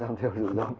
giảm thiểu rủi rót